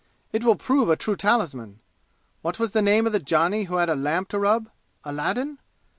"It will prove a true talisman! What was the name of the Johnny who had a lamp to rub? Aladdin?